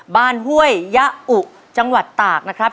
บ้านห้วยยะอุจังหวัดต่านะครับ